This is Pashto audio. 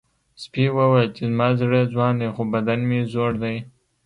سپي وویل چې زما زړه ځوان دی خو بدن مې زوړ دی.